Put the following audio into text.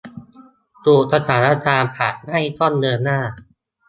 ถูกสถานการณ์ผลักให้ต้องเดินหน้า